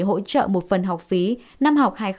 hỗ trợ một phần học phí